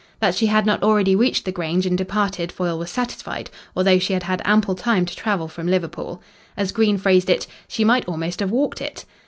That she had not already reached the Grange and departed Foyle was satisfied, although she had had ample time to travel from Liverpool. As Green phrased it, "she might almost have walked it."